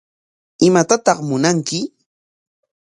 ¿Imatataq munanki?